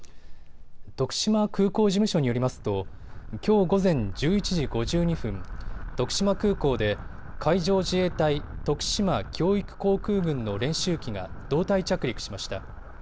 徳島空港事務所によりますときょう午前１１時５２分、徳島空港で海上自衛隊徳島教育航空群の練習機が胴体着陸しました。